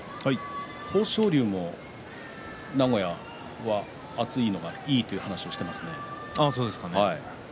豊昇龍も名古屋は暑いのがいいという話をそうですかね。